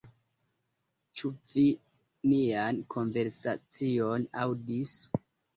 Ĉu vi mian konversacion aŭdis?